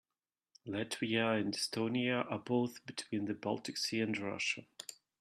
Latvia and Estonia are both between the Baltic Sea and Russia.